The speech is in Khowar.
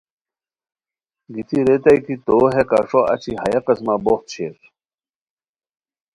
گیتی ریتائے کی تو ہے کَݰو اچی ہیہ قسمہ بوخت شیر